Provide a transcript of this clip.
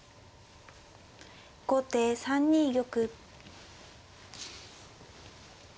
後手３二玉。